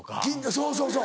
そうそうそう。